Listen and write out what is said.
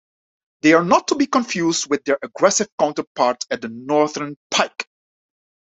They are not to be confused with their aggressive counterpart the Northern pike.